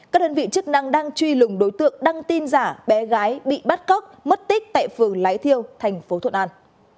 các đơn vị chức năng đang truy lùng đối tượng đăng tin giả bé gái bị bắt cóc mất tích tại phường lái thiêu thành phố thuận an